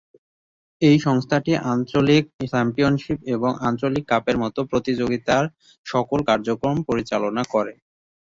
এই সংস্থাটি আঞ্চলিক চ্যাম্পিয়নশিপ এবং আঞ্চলিক কাপের মতো প্রতিযোগিতার সকল কার্যক্রম পরিচালনা করে।